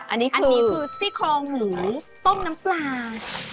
อันนี้คืออันนี้คือซี่โครงหมูต้มน้ำปลา๑๒๐บาท